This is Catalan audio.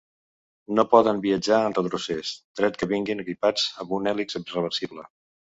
No poden viatjar en retrocés, tret que vinguin equipats amb una hèlix reversible.